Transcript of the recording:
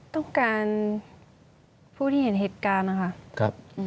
ต้องการผู้ที่เห็นเหตุการณ์นะคะ